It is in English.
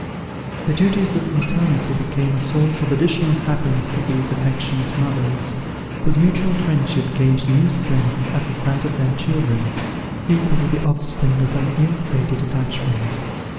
The duties of maternity became a source of additional happiness to these affectionate mothers, whose mutual friendship gained new strength at the sight of their children, equally the offspring of an ill fated attachment.